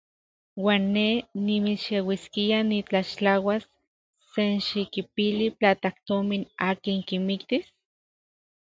¿Uan ne nimixeuiskia nitlaxtlauas senxikipili platajtomin akin kimiktis?